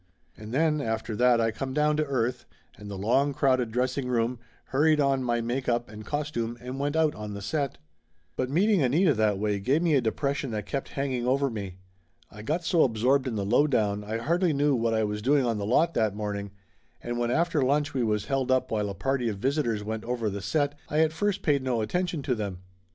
And then after that I come down to earth and the long crowded dressing room, hurried on my make up and costume and went out on the set. But meeting Anita that way give me a depression that kept hanging over me. I got so absorbed in the lowdown I hardly knew what I was doing on the lot that morning and when after lunch we was held up while a party of visitors went over the set I at first paid no attention to them.